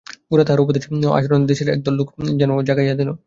গোরা তাহার উপদেশ ও আচরণে দেশের এক দল লোককে যেন জাগাইয়া দিল।